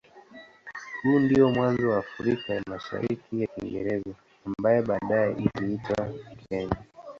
Huo ndio mwanzo wa Afrika ya Mashariki ya Kiingereza ambaye baadaye iliitwa Kenya.